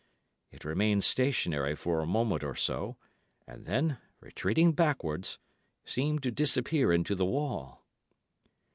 It remained stationary for a moment or so, and then, retreating backwards, seemed to disappear into the wall.